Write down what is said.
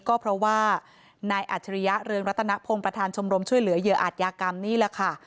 ก็เพราะว่านายอัจฉริยะเรืองรัตนพงศ์ประธานชมรมช่วยเหลือเหยื่ออาจยากรรมนี่แหละค่ะ